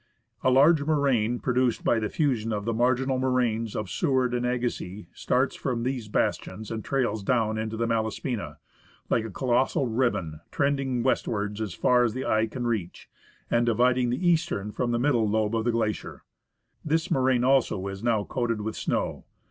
A large moraine produced by the fusion of the marginal moraines of Seward and Agassiz starts from these bastions and trails down into the Malaspina, like a colossal ribbon, trending westwards as far as the eye can reach, and dividing the eastern from the middle lobe of the glacier. This moraine also is now coated with snow.